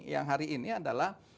yang hari ini adalah